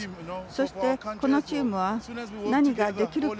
そしてこのチームは何ができるか。